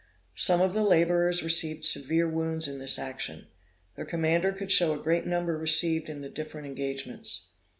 Some of the laborers received severe wounds in this action. Their commander could show a great number received in the different engagements.